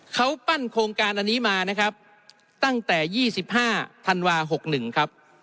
เขาปั้นโครงการอันนี้มานะครับตั้งแต่ยี่สิบห้าธันวาหกหนึ่งครับ